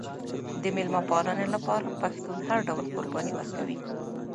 د میلمه پالنې لپاره پښتون هر ډول قرباني ورکوي.